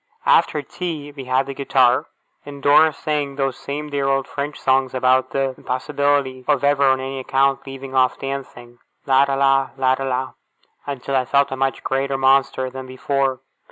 After tea we had the guitar; and Dora sang those same dear old French songs about the impossibility of ever on any account leaving off dancing, La ra la, La ra la, until I felt a much greater Monster than before.